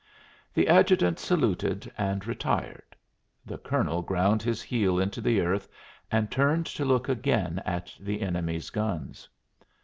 The adjutant saluted and retired. The colonel ground his heel into the earth and turned to look again at the enemy's guns.